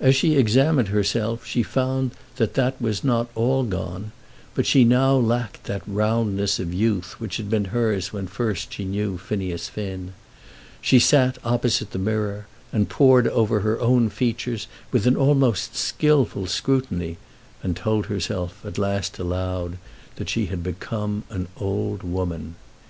As she examined herself she found that that was not all gone; but she now lacked that roundness of youth which had been hers when first she knew Phineas Finn. She sat opposite the mirror, and pored over her own features with an almost skilful scrutiny, and told herself at last aloud that she had become an old woman.